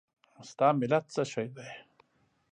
ستا ملت څه شی دی؟